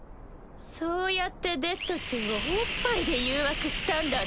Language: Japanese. そうやってデッドちんをおっぱいで誘惑したんだね。